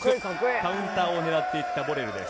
カウンターを狙いにいったボレルです。